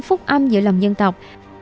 phúc âm giữa lòng dân tộc